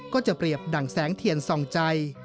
ก็จะเปรียบดั่งแสงเทียนส่องใจ